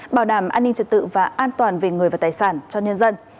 bảo đảm an ninh trật tự và an toàn về người và tài sản cho nhân dân